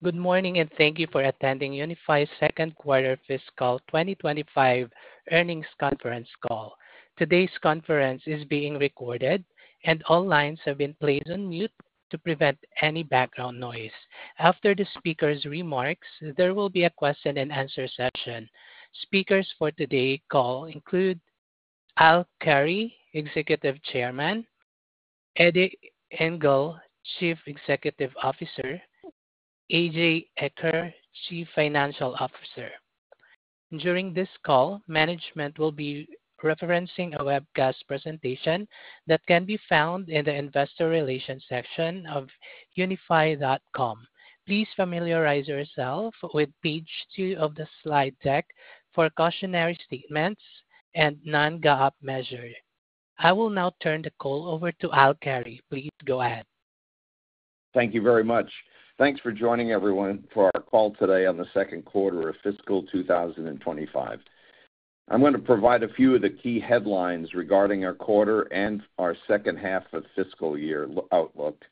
Good morning, and thank you for attending UNIFI's second quarter fiscal 2025 earnings conference call. Today's conference is being recorded, and all lines have been placed on mute to prevent any background noise. After the speakers' remarks, there will be a question-and-answer session. Speakers for today's call include Al Carey, Executive Chairman; Eddie Ingle, Chief Executive Officer; A. J. Eaker, Chief Financial Officer. During this call, management will be referencing a webcast presentation that can be found in the investor relations section of unifi.com. Please familiarize yourself with page two of the slide deck for cautionary statements and non-GAAP measures. I will now turn the call over to Al Carey. Please go ahead. Thank you very much. Thanks for joining, everyone, for our call today on the second quarter of fiscal 2025. I'm going to provide a few of the key headlines regarding our quarter and our second half of fiscal year outlook.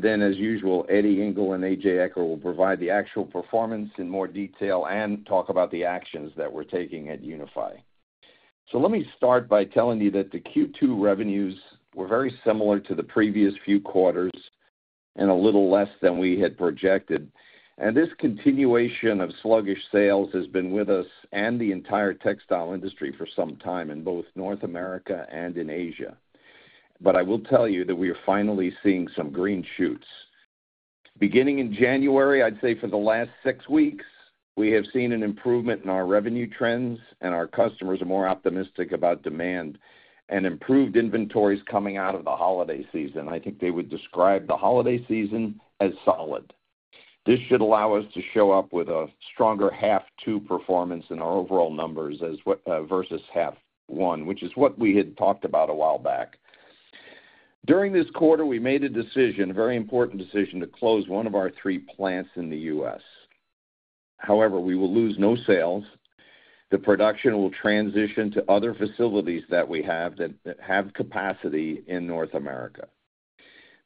Then, as usual, Eddie Ingle and A. J. Eaker will provide the actual performance in more detail and talk about the actions that we're taking at UNIFI. Let me start by telling you that the Q2 revenues were very similar to the previous few quarters and a little less than we had projected. This continuation of sluggish sales has been with us and the entire textile industry for some time in both North America and in Asia. I will tell you that we are finally seeing some green shoots. Beginning in January, I'd say for the last six weeks, we have seen an improvement in our revenue trends, and our customers are more optimistic about demand and improved inventories coming out of the holiday season. I think they would describe the holiday season as solid. This should allow us to show up with a stronger half two performance in our overall numbers versus half one, which is what we had talked about a while back. During this quarter, we made a decision, a very important decision, to close one of our three plants in the U.S. However, we will lose no sales. The production will transition to other facilities that we have that have capacity in North America.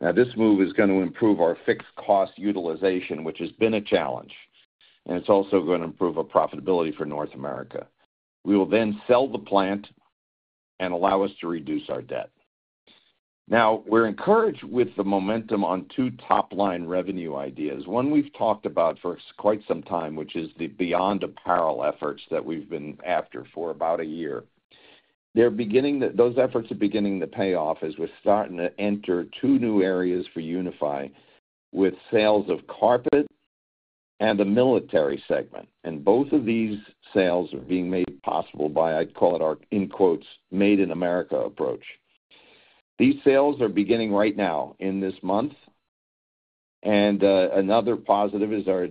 Now, this move is going to improve our fixed-cost utilization, which has been a challenge, and it's also going to improve our profitability for North America. We will then sell the plant and allow us to reduce our debt. Now, we're encouraged with the momentum on two top-line revenue ideas, one we've talked about for quite some time, which is the Beyond Apparel efforts that we've been after for about a year. Those efforts are beginning to pay off as we're starting to enter two new areas for UNIFI, with sales of carpet and the military segment. Both of these sales are being made possible by, I'd call it our "made in America" approach. These sales are beginning right now in this month. Another positive is our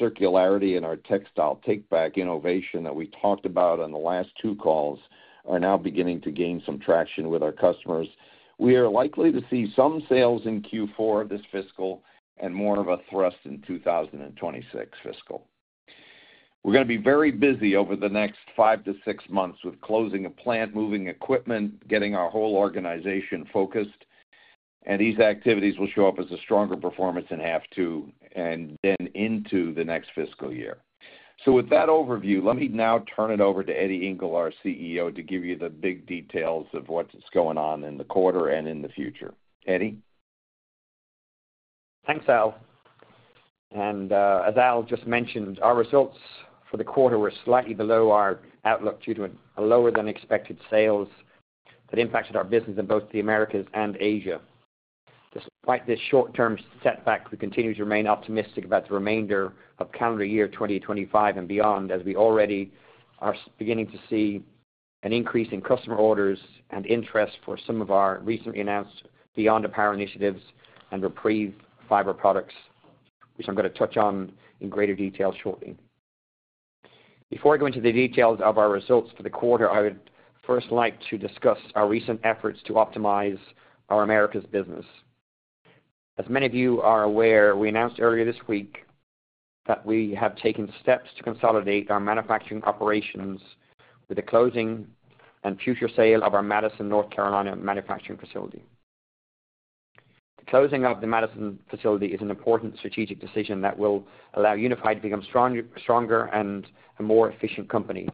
circularity and our Textile Takeback innovation that we talked about on the last two calls are now beginning to gain some traction with our customers. We are likely to see some sales in Q4 this fiscal and more of a thrust in 2026 fiscal. We're going to be very busy over the next five to six months with closing a plant, moving equipment, getting our whole organization focused. These activities will show up as a stronger performance in half two and then into the next fiscal year. With that overview, let me now turn it over to Eddie Ingle, our CEO, to give you the big details of what's going on in the quarter and in the future. Eddie. Thanks, Al. As Al just mentioned, our results for the quarter were slightly below our outlook due to lower-than-expected sales that impacted our business in both the Americas and Asia. Despite this short-term setback, we continue to remain optimistic about the remainder of calendar year 2025 and beyond, as we already are beginning to see an increase in customer orders and interest for some of our recently announced Beyond Apparel initiatives and REPREVE Fiber products, which I'm going to touch on in greater detail shortly. Before I go into the details of our results for the quarter, I would first like to discuss our recent efforts to optimize our Americas business. As many of you are aware, we announced earlier this week that we have taken steps to consolidate our manufacturing operations with the closing and future sale of our Madison, North Carolina, manufacturing facility. The closing of the Madison facility is an important strategic decision that will allow UNIFI to become stronger and a more efficient company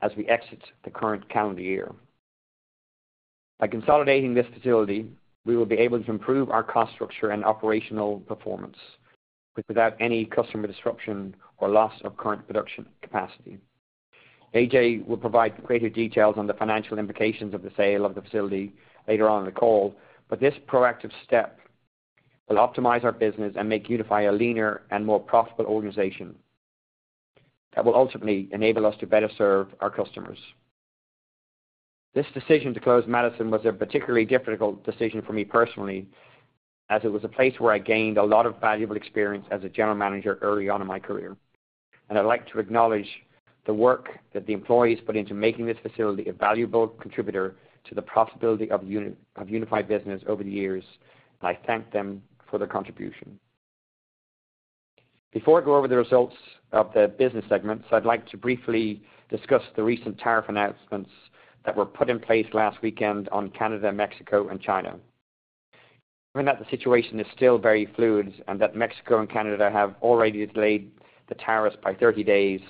as we exit the current calendar year. By consolidating this facility, we will be able to improve our cost structure and operational performance without any customer disruption or loss of current production capacity. A. J. will provide greater details on the financial implications of the sale of the facility later on in the call, but this proactive step will optimize our business and make UNIFI a leaner and more profitable organization that will ultimately enable us to better serve our customers. This decision to close Madison was a particularly difficult decision for me personally, as it was a place where I gained a lot of valuable experience as a general manager early on in my career. I would like to acknowledge the work that the employees put into making this facility a valuable contributor to the profitability of UNIFI business over the years, and I thank them for their contribution. Before I go over the results of the business segments, I would like to briefly discuss the recent tariff announcements that were put in place last weekend on Canada, Mexico, and China. Given that the situation is still very fluid and that Mexico and Canada have already delayed the tariffs by 30 days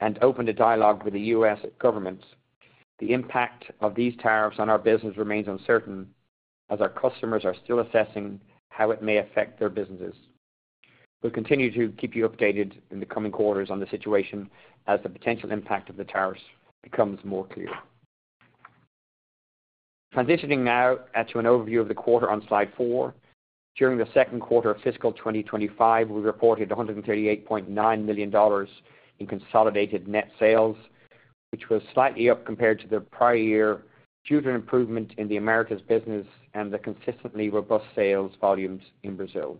and opened a dialogue with the U.S. government, the impact of these tariffs on our business remains uncertain as our customers are still assessing how it may affect their businesses. We will continue to keep you updated in the coming quarters on the situation as the potential impact of the tariffs becomes more clear. Transitioning now to an overview of the quarter on slide four, during the second quarter of fiscal 2025, we reported $138.9 million in consolidated net sales, which was slightly up compared to the prior year due to an improvement in the America's business and the consistently robust sales volumes in Brazil.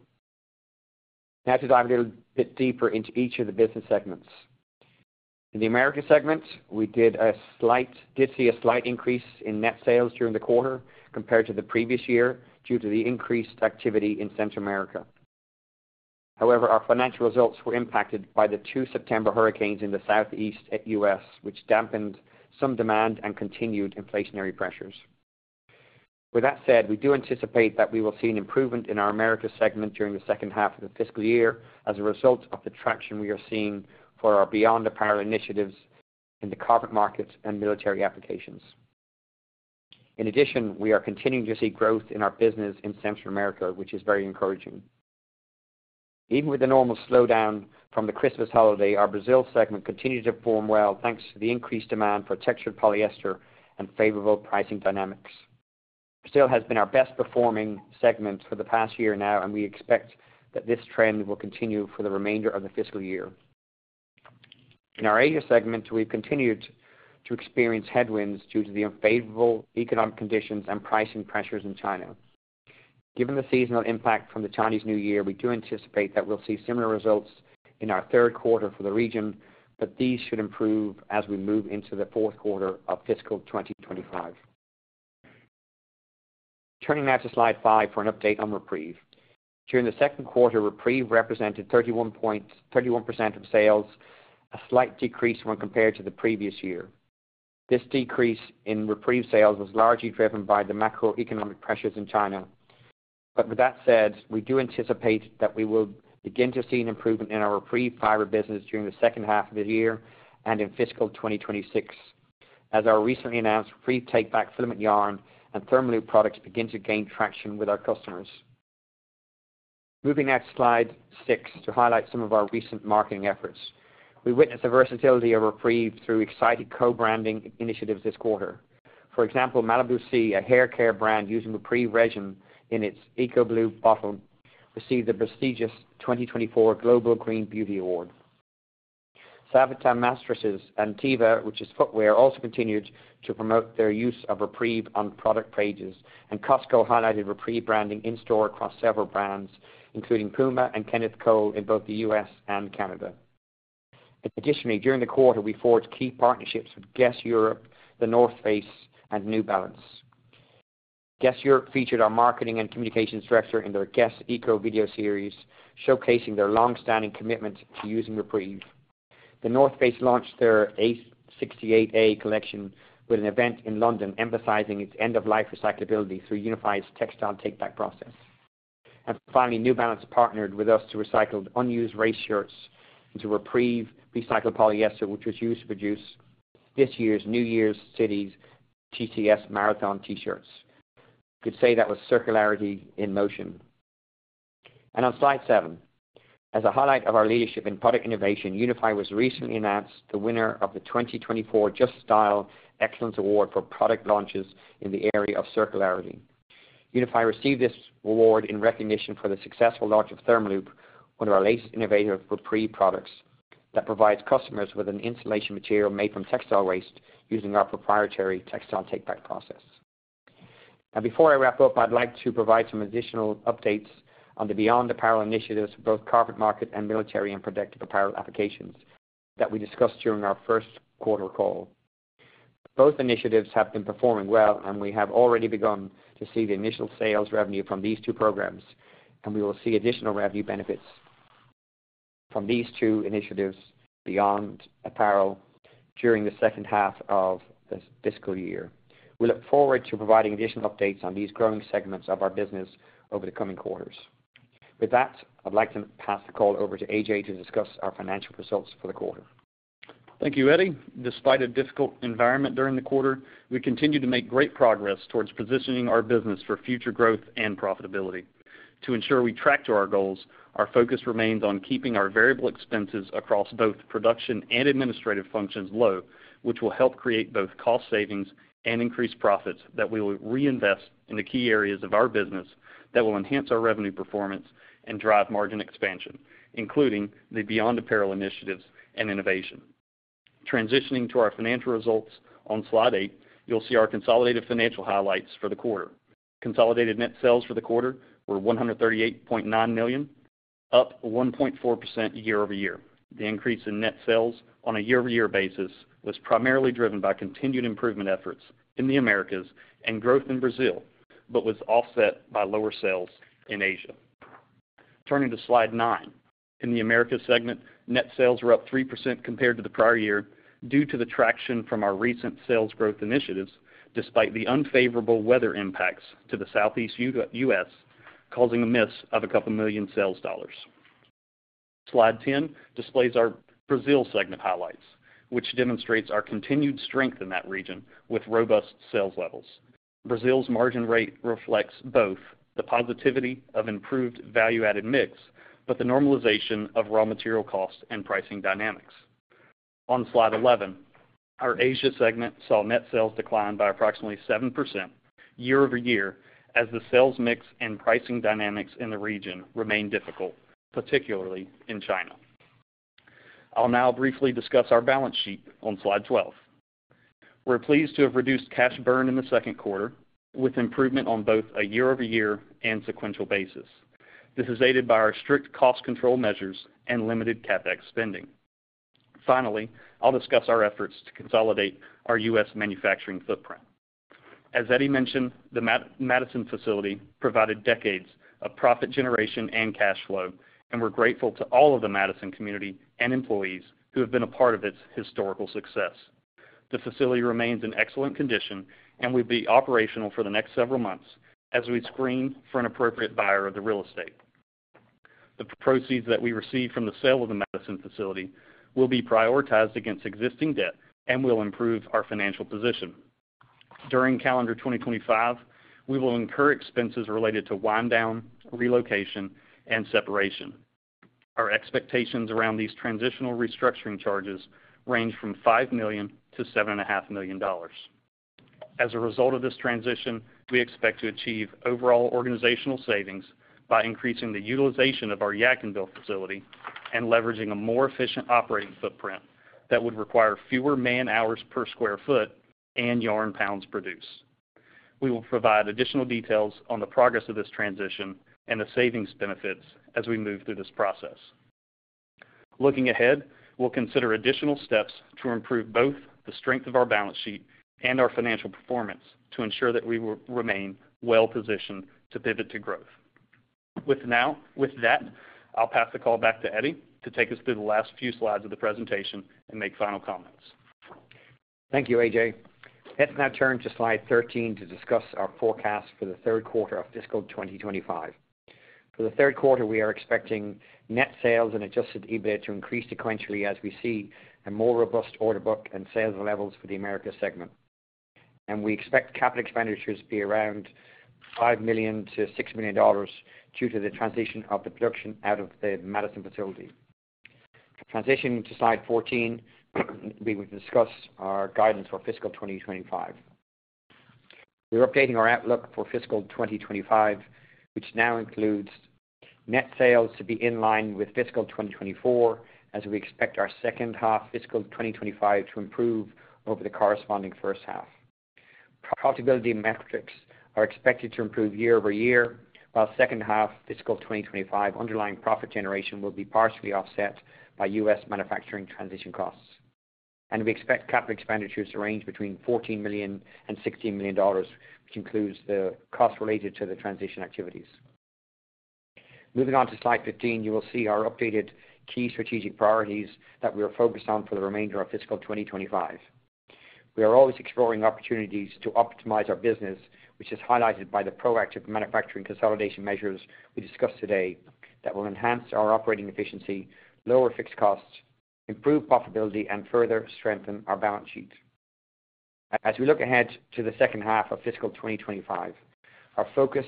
Now, to dive a little bit deeper into each of the business segments. In the America Segment, we did see a slight increase in net sales during the quarter compared to the previous year due to the increased activity in Central America. However, our financial results were impacted by the two September hurricanes in the southeast of U.S., which dampened some demand and continued inflationary pressures. With that said, we do anticipate that we will see an improvement in our America Segment during the second half of the fiscal year as a result of the traction we are seeing for our Beyond Apparel initiatives in the carpet market and military applications. In addition, we are continuing to see growth in our business in Central America, which is very encouraging. Even with the normal slowdown from the Christmas holiday, our Brazil Segment continued to perform well thanks to the increased demand for textured polyester and favorable pricing dynamics. Brazil has been our best-performing segment for the past year now, and we expect that this trend will continue for the remainder of the fiscal year. In our Asia Segment, we've continued to experience headwinds due to the unfavorable economic conditions and pricing pressures in China. Given the seasonal impact from the Chinese New Year, we do anticipate that we'll see similar results in our third quarter for the region, but these should improve as we move into the fourth quarter of fiscal 2025. Turning now to slide five for an update on REPREVE. During the second quarter, REPREVE represented 31% of sales, a slight decrease when compared to the previous year. This decrease in REPREVE sales was largely driven by the macroeconomic pressures in China. With that said, we do anticipate that we will begin to see an improvement in our REPREVE Fiber business during the second half of the year and in fiscal 2026, as our recently announced REPREVE Takeback filament yarn and ThermaLoop products begin to gain traction with our customers. Moving now to slide six to highlight some of our recent marketing efforts. We witnessed the versatility of REPREVE through exciting co-branding initiatives this quarter. For example, Malibu C, a hair care brand using REPREVE resin in its EcoBlu bottle, received the prestigious 2024 Global Green Beauty Award. Saatva mattresses, Antiba, which is footwear, also continued to promote their use of REPREVE on product pages, and Costco highlighted REPREVE branding in store across several brands, including PUMA and Kenneth Cole in both the U.S. and Canada. Additionally, during the quarter, we forged key partnerships with Guess Europe, The North Face, and New Balance. Guess Europe featured our marketing and communications director in their Guess Eco video series, showcasing their long-standing commitment to using REPREVE. The North Face launched their A68A collection with an event in London, emphasizing its end-of-life recyclability through UNIFI's Textile Takeback process. Finally, New Balance partnered with us to recycle unused race shirts into REPREVE recycled polyester, which was used to produce this year's New York City TCS Marathon T-shirts. You could say that was circularity in motion. On slide seven, as a highlight of our leadership in product innovation, UNIFI was recently announced the winner of the 2024 Just Style Excellence Award for product launches in the area of circularity. UNIFI received this award in recognition for the successful launch of ThermaLoop, one of our latest innovative REPREVE products that provides customers with an insulation material made from textile waste using our proprietary Textile Takeback process. Before I wrap up, I'd like to provide some additional updates on the Beyond Apparel initiatives for both carpet market and military and protective Apparel applications that we discussed during our first quarter call. Both initiatives have been performing well, and we have already begun to see the initial sales revenue from these two programs, and we will see additional revenue benefits from these two initiatives Beyond Apparel during the second half of the fiscal year. We look forward to providing additional updates on these growing segments of our business over the coming quarters. With that, I'd like to pass the call over to A. J. to discuss our financial results for the quarter. Thank you, Eddie. Despite a difficult environment during the quarter, we continue to make great progress towards positioning our business for future growth and profitability. To ensure we track to our goals, our focus remains on keeping our variable expenses across both production and administrative functions low, which will help create both cost savings and increase profits that we will reinvest in the key areas of our business that will enhance our revenue performance and drive margin expansion, including the Beyond Apparel initiatives and innovation. Transitioning to our financial results on slide eight, you'll see our consolidated financial highlights for the quarter. Consolidated net sales for the quarter were $138.9 million, up 1.4% year-over-year. The increase in net sales on a year-over-year basis was primarily driven by continued improvement efforts in the Americas and growth in Brazil, but was offset by lower sales in Asia. Turning to slide nine, in the America Segment, net sales were up 3% compared to the prior year due to the traction from our recent sales growth initiatives, despite the unfavorable weather impacts to the Southeast U.S., causing a miss of a couple million sales dollars. Slide 10 displays our Brazil Segment highlights, which demonstrates our continued strength in that region with robust sales levels. Brazil's margin rate reflects both the positivity of improved value-added mix but the normalization of raw material cost and pricing dynamics. On slide 11, our Asia Segment saw net sales decline by approximately 7% year-over-year as the sales mix and pricing dynamics in the region remain difficult, particularly in China. I'll now briefly discuss our balance sheet on slide 12. We're pleased to have reduced cash burn in the second quarter with improvement on both a year-over-year and sequential basis. This is aided by our strict cost control measures and limited CapEx spending. Finally, I'll discuss our efforts to consolidate our U.S. manufacturing footprint. As Eddie mentioned, the Madison facility provided decades of profit generation and cash flow, and we're grateful to all of the Madison community and employees who have been a part of its historical success. The facility remains in excellent condition, and we'll be operational for the next several months as we screen for an appropriate buyer of the real estate. The proceeds that we receive from the sale of the Madison facility will be prioritized against existing debt and will improve our financial position. During calendar 2025, we will incur expenses related to wind down, relocation, and separation. Our expectations around these transitional restructuring charges range from $5 million-$7.5 million. As a result of this transition, we expect to achieve overall organizational savings by increasing the utilization of our Yadkinville facility and leveraging a more efficient operating footprint that would require fewer man-hours per square foot and yarn pounds produced. We will provide additional details on the progress of this transition and the savings benefits as we move through this process. Looking ahead, we'll consider additional steps to improve both the strength of our balance sheet and our financial performance to ensure that we will remain well-positioned to pivot to growth. With that, I'll pass the call back to Eddie to take us through the last few slides of the presentation and make final comments. Thank you, A. J. Let's now turn to slide 13 to discuss our forecast for the third quarter of fiscal 2025. For the third quarter, we are expecting net sales and adjusted EBIT to increase sequentially as we see a more robust order book and sales levels for the America Segment. We expect capital expenditures to be around $5 million-$6 million due to the transition of the production out of the Madison facility. Transitioning to slide 14, we will discuss our guidance for fiscal 2025. We're updating our outlook for fiscal 2025, which now includes net sales to be in line with fiscal 2024, as we expect our second half fiscal 2025 to improve over the corresponding first half. Profitability metrics are expected to improve year-over-year, while second half fiscal 2025 underlying profit generation will be partially offset by U.S. manufacturing transition costs. We expect capital expenditures to range between $14 million and $16 million, which includes the costs related to the transition activities. Moving on to slide 15, you will see our updated key strategic priorities that we are focused on for the remainder of fiscal 2025. We are always exploring opportunities to optimize our business, which is highlighted by the proactive manufacturing consolidation measures we discussed today that will enhance our operating efficiency, lower fixed costs, improve profitability, and further strengthen our balance sheet. As we look ahead to the second half of fiscal 2025, our focus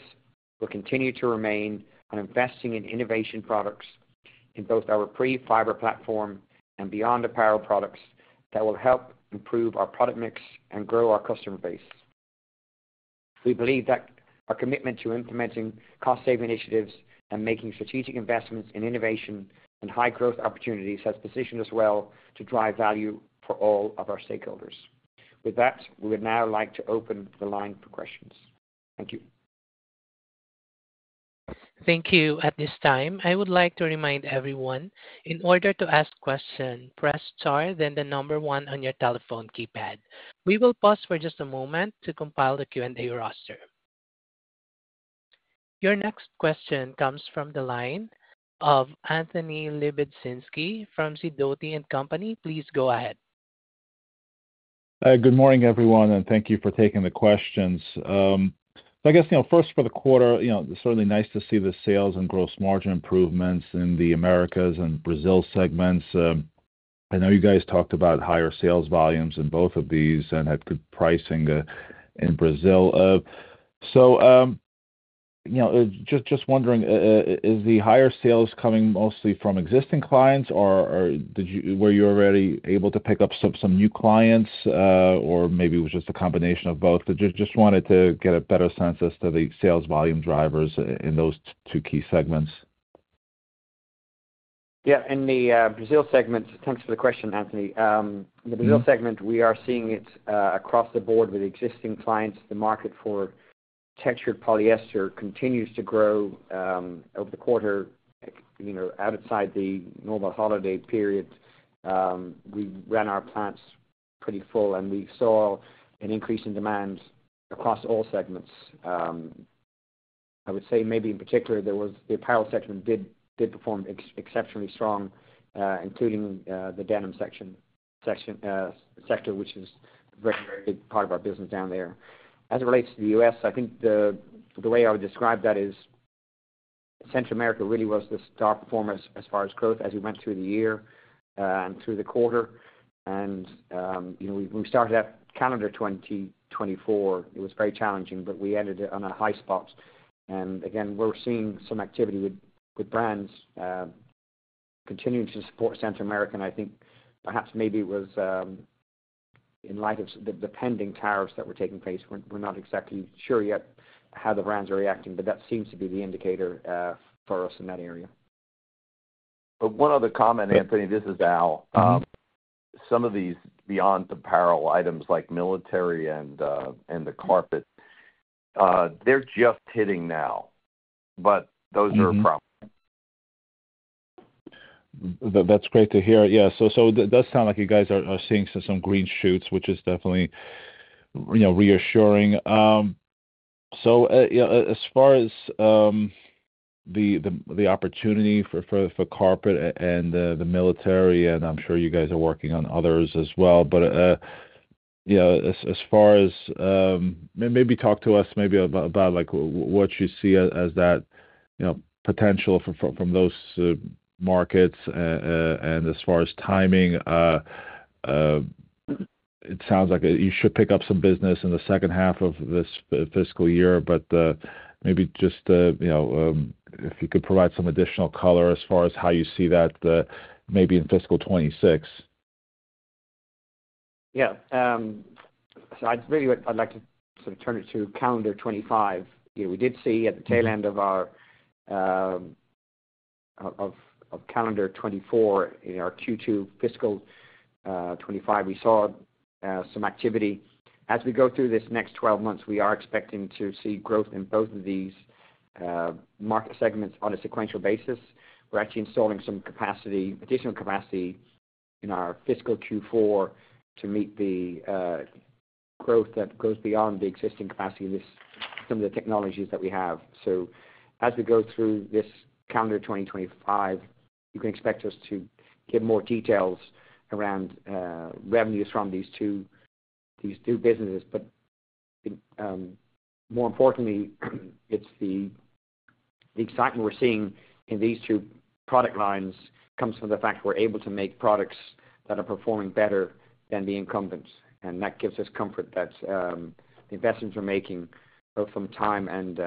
will continue to remain on investing in innovation products in both our REPREVE Fiber platform and Beyond Apparel products that will help improve our product mix and grow our customer base. We believe that our commitment to implementing cost-saving initiatives and making strategic investments in innovation and high-growth opportunities has positioned us well to drive value for all of our stakeholders. With that, we would now like to open the line for questions. Thank you. Thank you. At this time, I would like to remind everyone, in order to ask questions, press star, then the number one on your telephone keypad. We will pause for just a moment to compile the Q&A roster. Your next question comes from the line of Anthony Lebiedzinski from SIDOTI & Company. Please go ahead. Good morning, everyone, and thank you for taking the questions. I guess, you know, first for the quarter, you know, it's certainly nice to see the sales and gross margin improvements in the Americas and Brazil Segments. I know you guys talked about higher sales volumes in both of these and had good pricing in Brazil. You know, just wondering, is the higher sales coming mostly from existing clients, or were you already able to pick up some new clients, or maybe it was just a combination of both? I just wanted to get a better sense as to the sales volume drivers in those two key segments. Yeah, in the Brazil Segment, thanks for the question, Anthony. In the Brazil Segment, we are seeing it across the board with existing clients. The market for textured polyester continues to grow over the quarter, you know, outside the normal holiday period. We ran our plants pretty full, and we saw an increase in demand across all segments. I would say maybe in particular, the Apparel segment did perform exceptionally strong, including the denim sector, which is a very, very big part of our business down there. As it relates to the U.S., I think the way I would describe that is Central America really was the star performer as far as growth as we went through the year and through the quarter. You know, when we started at calendar 2024, it was very challenging, but we ended on a high spot. We're seeing some activity with brands continuing to support Central America. I think perhaps maybe it was in light of the pending tariffs that were taking place. We're not exactly sure yet how the brands are reacting, but that seems to be the indicator for us in that area. One other comment, Anthony. This is Al. Some of these Beyond Apparel items like military and the carpet, they're just hitting now, but those are a problem. That's great to hear. Yeah. It does sound like you guys are seeing some green shoots, which is definitely, you know, reassuring. As far as the opportunity for carpet and the military, and I'm sure you guys are working on others as well, but, you know, as far as maybe talk to us maybe about, like, what you see as that, you know, potential from those markets. As far as timing, it sounds like you should pick up some business in the second half of this fiscal year, but maybe just, you know, if you could provide some additional color as far as how you see that maybe in fiscal 2026. Yeah. So I'd really like to sort of turn it to calendar 2025. We did see at the tail end of our calendar 2024, in our Q2 fiscal 2025, we saw some activity. As we go through this next 12 months, we are expecting to see growth in both of these market segments on a sequential basis. We're actually installing some capacity, additional capacity in our fiscal Q4 to meet the growth that goes beyond the existing capacity in some of the technologies that we have. As we go through this calendar 2025, you can expect us to get more details around revenues from these two businesses. More importantly, it's the excitement we're seeing in these two product lines comes from the fact we're able to make products that are performing better than the incumbents. That gives us comfort that the investments we're making, both from time and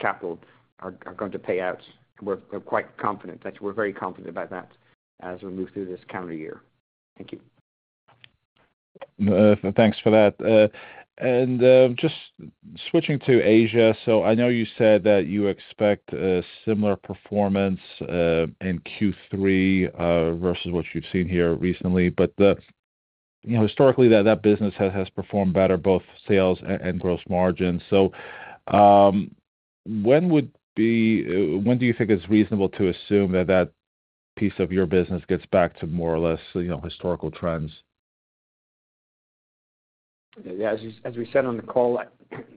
capital, are going to pay out. We're quite confident that we're very confident about that as we move through this calendar year. Thank you. Thanks for that. Just switching to Asia, I know you said that you expect a similar performance in Q3 versus what you've seen here recently, but, you know, historically, that business has performed better, both sales and gross margins. When do you think it's reasonable to assume that that piece of your business gets back to more or less, you know, historical trends? Yeah. As we said on the call,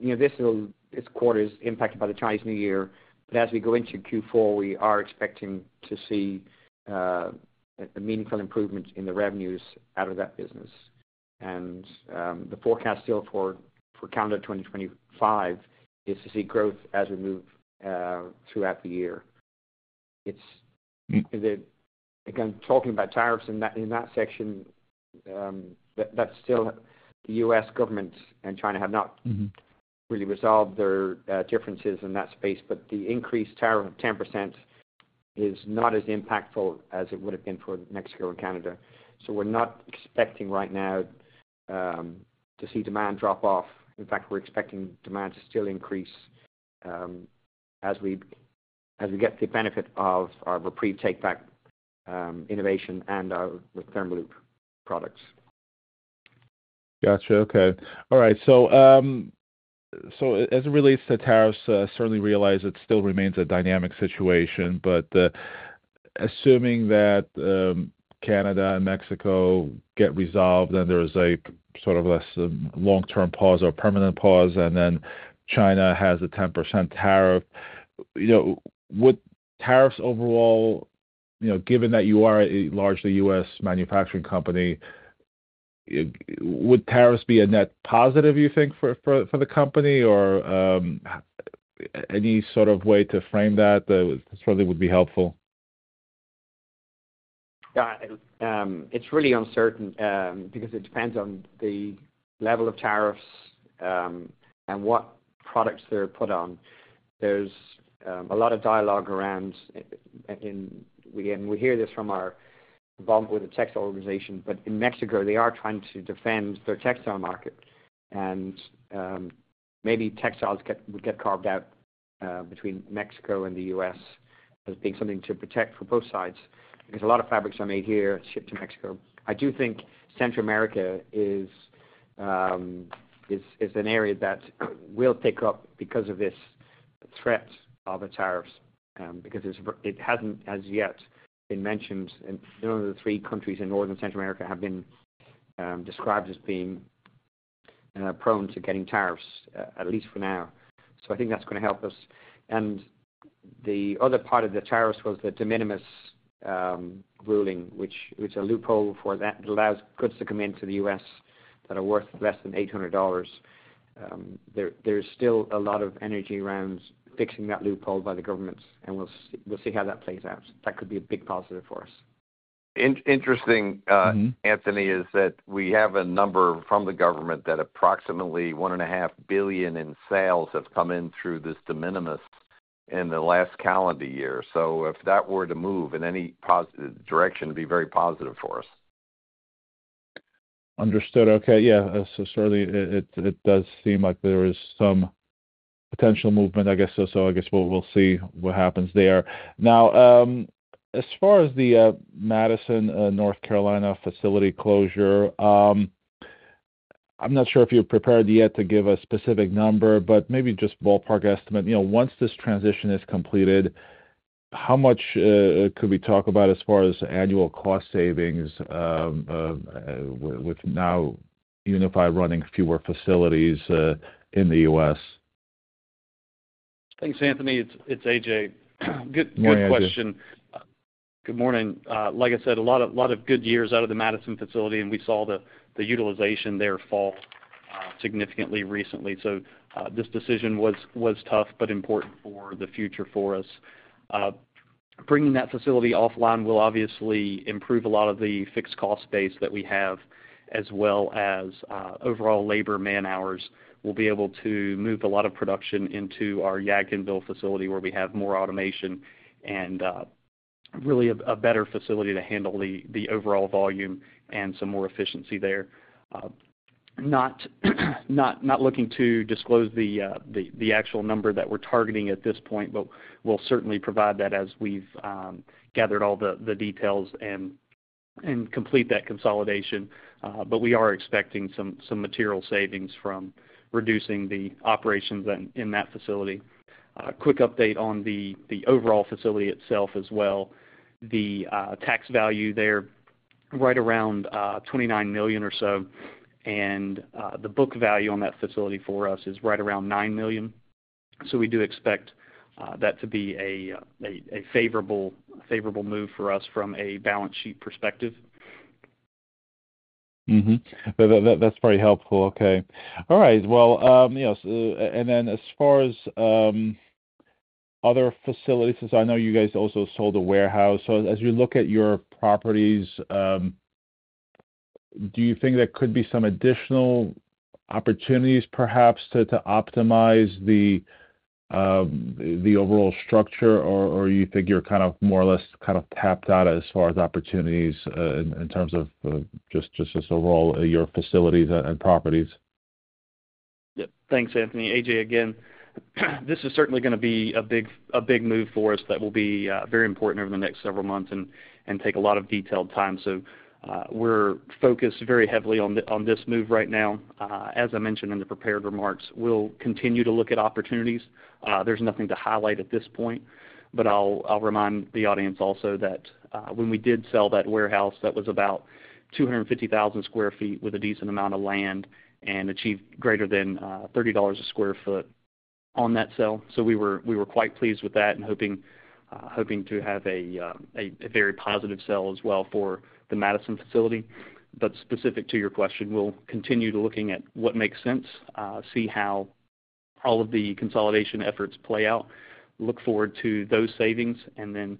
you know, this quarter is impacted by the Chinese New Year, but as we go into Q4, we are expecting to see a meaningful improvement in the revenues out of that business. The forecast still for calendar 2025 is to see growth as we move throughout the year. It's again, talking about tariffs in that section, that's still the U.S. government and China have not really resolved their differences in that space, but the increased tariff of 10% is not as impactful as it would have been for Mexico and Canada. We are not expecting right now to see demand drop off. In fact, we are expecting demand to still increase as we get the benefit of our REPREVE take-back innovation and our ThermalLoop products. Gotcha. Okay. All right. As it relates to tariffs, certainly realize it still remains a dynamic situation, but assuming that Canada and Mexico get resolved and there is a sort of a long-term pause or permanent pause, and then China has a 10% tariff, you know, would tariffs overall, you know, given that you are a largely U.S. manufacturing company, would tariffs be a net positive, you think, for the company, or any sort of way to frame that certainly would be helpful? Yeah. It's really uncertain because it depends on the level of tariffs and what products they're put on. There's a lot of dialogue around, and we hear this from our involvement with the textile organization, but in Mexico, they are trying to defend their textile market. Maybe textiles would get carved out between Mexico and the U.S. as being something to protect for both sides because a lot of fabrics are made here and shipped to Mexico. I do think Central America is an area that will pick up because of this threat of the tariffs because it hasn't as yet been mentioned. One of the three countries in Northern Central America have been described as being prone to getting tariffs, at least for now. I think that's going to help us. The other part of the tariffs was the de minimis ruling, which is a loophole that allows goods to come into the U.S. that are worth less than $800. There is still a lot of energy around fixing that loophole by the government, and we will see how that plays out. That could be a big positive for us. Interesting, Anthony, is that we have a number from the government that approximately $1.5 billion in sales have come in through this de minimis in the last calendar year. If that were to move in any direction, it'd be very positive for us. Understood. Okay. Yeah. Certainly, it does seem like there is some potential movement, I guess. I guess we'll see what happens there. Now, as far as the Madison, North Carolina facility closure, I'm not sure if you're prepared yet to give a specific number, but maybe just ballpark estimate. You know, once this transition is completed, how much could we talk about as far as annual cost savings with now UNIFI running fewer facilities in the U.S.? Thanks, Anthony. It's A. J. Good question. Good morning. Like I said, a lot of good years out of the Madison facility, and we saw the utilization there fall significantly recently. This decision was tough but important for the future for us. Bringing that facility offline will obviously improve a lot of the fixed cost base that we have, as well as overall labor man hours. We'll be able to move a lot of production into our Yadkinville facility where we have more automation and really a better facility to handle the overall volume and some more efficiency there. Not looking to disclose the actual number that we're targeting at this point, but we'll certainly provide that as we've gathered all the details and complete that consolidation. We are expecting some material savings from reducing the operations in that facility. Quick update on the overall facility itself as well. The tax value there is right around $29 million or so, and the book value on that facility for us is right around $9 million. We do expect that to be a favorable move for us from a balance sheet perspective. That's very helpful. Okay. All right. You know, and then as far as other facilities, I know you guys also sold a warehouse. As you look at your properties, do you think there could be some additional opportunities perhaps to optimize the overall structure, or do you think you're kind of more or less kind of tapped out as far as opportunities in terms of just overall your facilities and properties? Yep. Thanks, Anthony. A. J., again, this is certainly going to be a big move for us that will be very important over the next several months and take a lot of detailed time. We are focused very heavily on this move right now. As I mentioned in the prepared remarks, we will continue to look at opportunities. There is nothing to highlight at this point, but I will remind the audience also that when we did sell that warehouse, that was about 250,000 sq ft with a decent amount of land and achieved greater than $30 a sq ft on that sale. We were quite pleased with that and hoping to have a very positive sale as well for the Madison facility. Specific to your question, we'll continue to look at what makes sense, see how all of the consolidation efforts play out, look forward to those savings, and then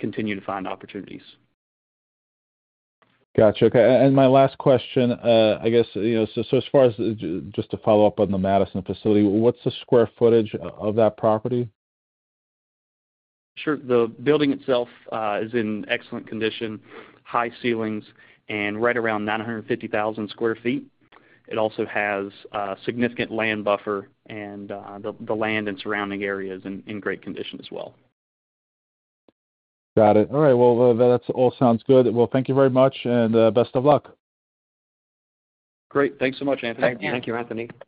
continue to find opportunities. Gotcha. Okay. My last question, I guess, you know, as far as just to follow up on the Madison facility, what's the square footage of that property? Sure. The building itself is in excellent condition, high ceilings, and right around 950,000 sq ft. It also has significant land buffer, and the land and surrounding area is in great condition as well. Got it. All right. That all sounds good. Thank you very much, and best of luck. Great. Thanks so much, Anthony. Thank you. Thank you, Anthony.